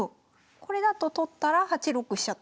これだと取ったら８六飛車と。